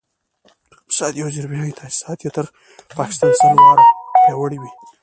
اقتصادي او زیربنایي تاسیسات به یې تر پاکستان سل واره پیاوړي وي.